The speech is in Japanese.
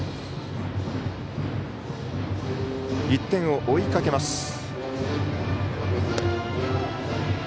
１点を追いかけます。